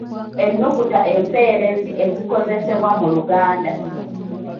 Ennukuta empeerezi ezikozesebwa mu Luganda.